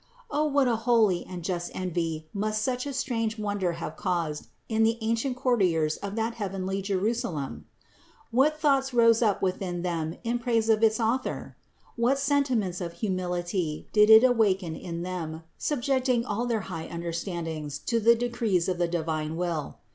O what a holy and just envy must such a strange wonder have caused in the ancient courtiers of that heavenly Jerusalem ! What thoughts rose up within them in praise of its Author! What sentiments of humility did it awaken in them, subjecting all their high understandings to the decrees of the divine Will!